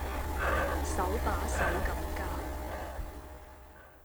手把手咁教